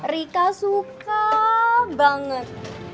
rika suka banget